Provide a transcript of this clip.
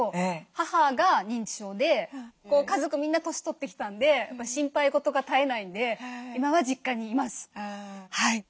家族みんな年取ってきたんで心配事が絶えないんで今は実家にいます。